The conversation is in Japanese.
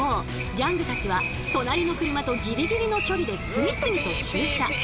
ギャングたちは隣の車とギリギリの距離で次々と駐車。